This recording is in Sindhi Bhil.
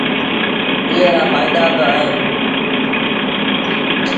ايئي رآ ڦآئيدآ با اهيݩ